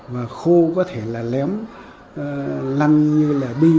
mà khô có thể là lém lăn như là bi